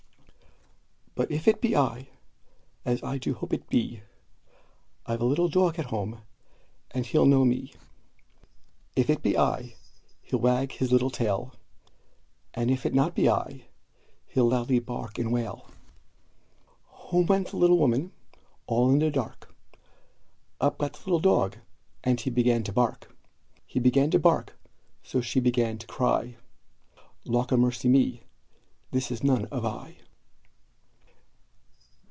"But if it be I, as I do hope it be, I've a little dog at home, and he'll know me; If it be I, he'll wag his little tail, And if it be not I, he'll loudly bark and wail." Home went the little woman, all in the dark; Up got the little dog, and he began to bark; He began to bark, so she began to cry "Lawkamercyme, this is none of I!"